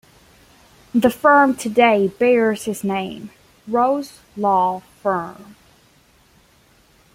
The firm today bears his name: Rose Law Firm.